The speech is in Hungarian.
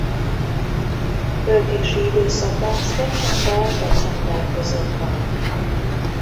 Költési időszaka szeptember-december között van.